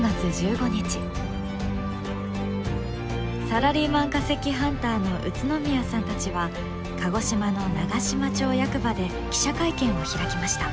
サラリーマン化石ハンターの宇都宮さんたちは鹿児島の長島町役場で記者会見を開きました。